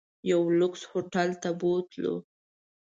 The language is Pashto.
یو لوکس هوټل ته بوتلو.